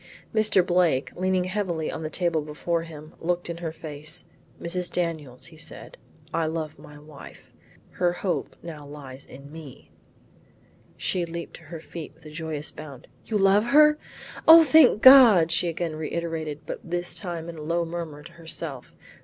Mr. Blake leaning heavily on the table before him, looked in her face. "Mrs. Daniels," said he, "I love my wife; her hope now lies in me." She leaped to her feet with a joyous bound. "You love her? O thank God!" she again reiterated but this time in a low murmur to her self.